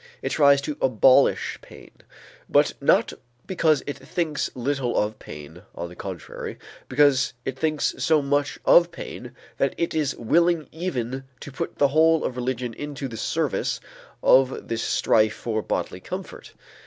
It tries to abolish pain, but not because it thinks little of pain; on the contrary, because it thinks so much of pain that it is willing even to put the whole of religion into the service of this strife for bodily comfort.